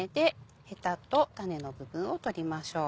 ヘタと種の部分を取りましょう。